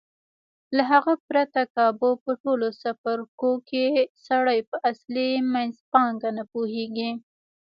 له هغه پرته کابو په ټولو څپرکو کې سړی په اصلي منځپانګه نه پوهېږي.